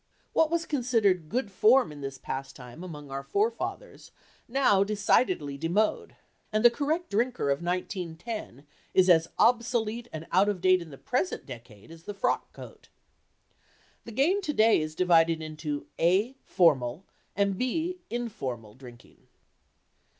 What was considered "good form" in this pastime among our forefathers now decidedly démodé, and the correct drinker of 1910 is as obsolete and out of date in the present decade as the "frock coat." The game today is divided into (a) formal and (b) informal drinking.